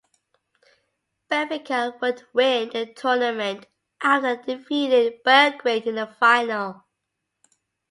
Benfica would win the tournament after defeating Belgrade in the final.